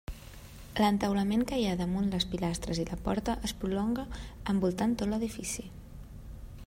L'entaulament que hi ha damunt les pilastres i la porta es prolonga envoltant tot l'edifici.